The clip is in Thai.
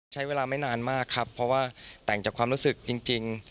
ใช้เวลาไม่นานมากครับเพราะว่าแต่งจากความรู้สึกจริง